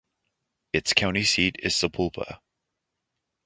Its county seat is Sapulpa.